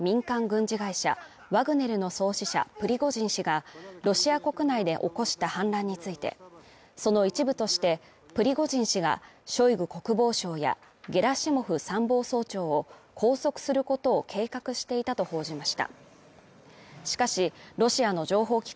一方、アメリカの「ウォール・ストリート・ジャーナル」紙は、欧米の当局者の話として、ロシアの民間軍事会社ワグネルの創始者プリゴジン氏がロシア国内で起こした反乱についてその一部としてプリゴジン氏がショイグ国防相やゲラシモフ参謀総長を拘束することを計画していたと報じました。